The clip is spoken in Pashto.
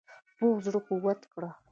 پوځ زړه قوت کړ.